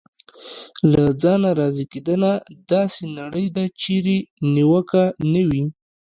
له ځانه راضي کېدنه: داسې نړۍ ده چېرې نیوکه نه وي.